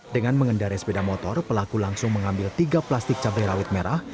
dengan mengendarai sepeda motor pelaku langsung mengambil tiga plastik cabai rawit merah